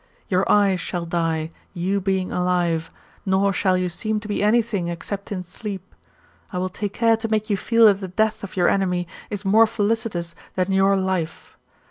Your eyes shall die, you being alive, nor shall you seem to be any thing except in sleep. I will take care to make you feel that the death of your enemy is more felicitous than your life.